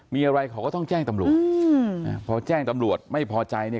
มีอะไรเขาก็ต้องแจ้งตำรวจอืมอ่าพอแจ้งตำรวจไม่พอใจเนี่ย